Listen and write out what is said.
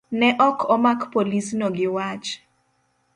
Ne ok omak polisno gi wach